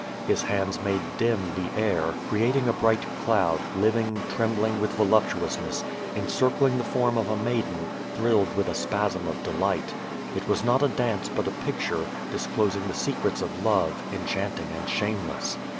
His hands made dim the air, creating a bright cloud, living, trembling with voluptuousness, encircling the form of a maiden, thrilled with a spasm of delight. It was not a dance but a picture, disclosing the secrets of love, enchanting and shameless.